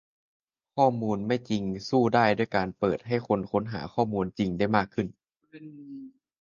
ข้อมูลไม่จริงสู้ได้ด้วยการเปิดให้คนค้นหาข้อมูลจริงได้มากขึ้น